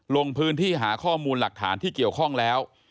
ลงพื้นที่หาข้อมูลหลักฐานที่เกี่ยวข้องแล้ว